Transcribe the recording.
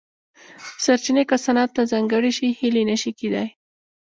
سرچینې که صنعت ته ځانګړې شي هیلې نه شي کېدای.